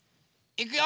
いくよ。